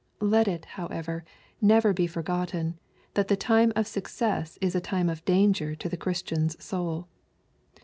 Let it, however, never be forgotten, that the time of success is a time of danger to the Christian's soul.